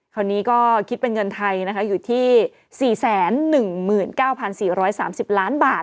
คราวนี้ก็คิดเป็นเงินไทยนะคะอยู่ที่๔๑๙๔๓๐ล้านบาท